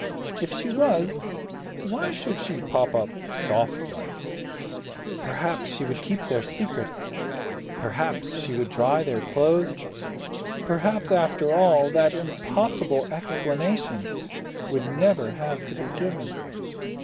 If she was, why should she pop up softlike? Perhaps she would keep their secret. Perhaps she would dry their clothes. Perhaps, after all, that impossible explanation would never have to be given.